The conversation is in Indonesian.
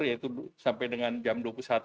yaitu sampai dengan jam dua puluh satu